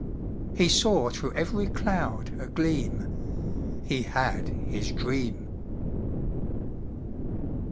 He saw through every cloud a gleam He had his dream.